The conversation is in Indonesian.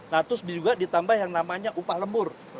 nah terus juga ditambah yang namanya upah lembur